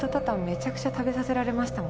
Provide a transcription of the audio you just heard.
めちゃくちゃ食べさせられましたもんね。